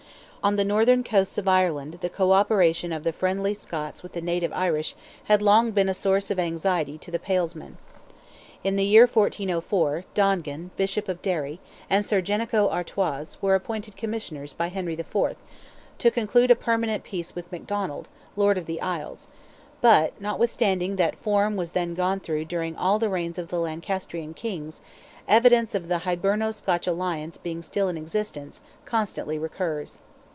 On the northern coasts of Ireland the co operation of the friendly Scots with the native Irish had long been a source of anxiety to the Palesmen. In the year 1404, Dongan, Bishop of Derry, and Sir Jenico d'Artois, were appointed Commissioners by Henry IV., to conclude a permanent peace with McDonald, Lord of the Isles, but, notwithstanding that form was then gone through during the reigns of all the Lancasterian Kings, evidence of the Hiberno Scotch alliance being still in existence, constantly recurs.